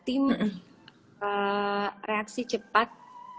tim reaksi cepat